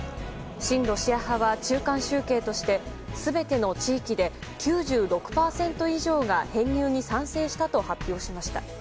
親ロシア派は中間集計として全ての地域で９６％以上が編入に賛成したと発表しました。